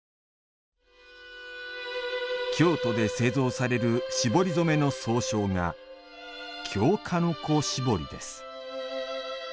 京都で製造される絞り染めの総称が、京鹿の子絞りです。